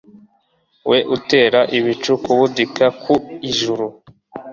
We utera ibicu kubudika ku ijuru